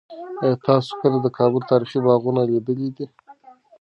آیا تاسو کله د کابل تاریخي باغونه لیدلي دي؟